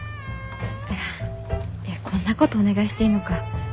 あいやこんなことお願いしていいのか。